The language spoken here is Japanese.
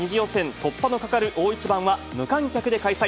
突破のかかる大一番は、無観客で開催。